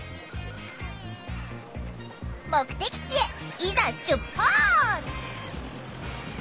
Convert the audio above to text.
目的地へいざ出発！